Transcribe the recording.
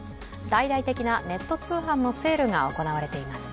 大々的なネット通販のセールが行われています。